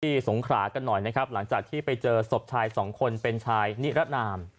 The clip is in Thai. สงขรากันหน่อยนะครับหลังจากที่ไปเจอศพชายสองคนเป็นชายนิรนาม